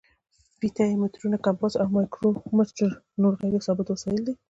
فیته یي مترونه، کمپاس او مایکرو میټر نور غیر ثابت وسایل دي.